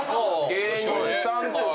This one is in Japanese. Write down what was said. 芸人さんとか。